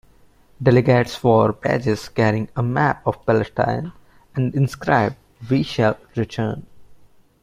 Delegates wore badges carrying a map of Palestine and inscribed "We shall return".